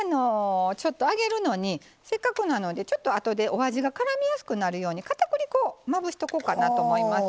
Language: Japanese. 揚げるのにせっかくなのでちょっとあとでお味がからみやすくなるように片栗粉をまぶしとこうかなと思います。